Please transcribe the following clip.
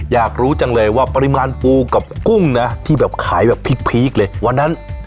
อยากรู้จังเลยว่าปริมาณปูกับกุ้งนะที่แบบขายแบบพีคเลยวันนั้น